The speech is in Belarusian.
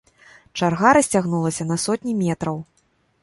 Чарга расцягнулася на сотні метраў.